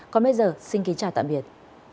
còn bây giờ xin kính chào tạm biệt